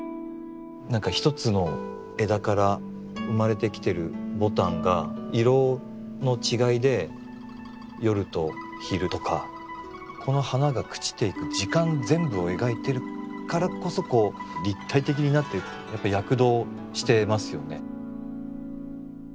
なんか一つの枝から生まれてきてるぼたんが色の違いで夜と昼とかこの花が朽ちていく時間全部を描いてるからこそ立体的になってるやっぱ躍動してますよね。